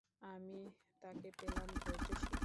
আমি তাকে পেলাম ধৈর্যশীল।